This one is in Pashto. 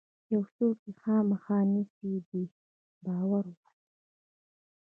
یو څوک یې خامخا نیسي دې ته باور وایي.